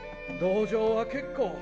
・同情は結構。